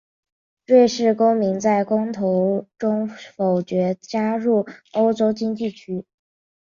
瑞士公民在公投中否决加入欧洲经济区。